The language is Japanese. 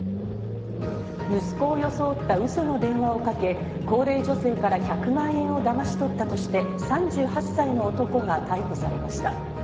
息子を装ったウソの電話をかけ、高齢女性から１００万円をだまし取ったとして３８歳の男が逮捕されました。